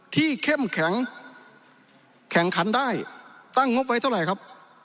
เข้มแข็งแข่งขันได้ตั้งงบไว้เท่าไหร่ครับ